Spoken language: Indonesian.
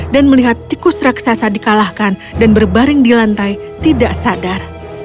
dan melihat tikus raksasa dikalahkan dan berbaring di lantai tidak sadar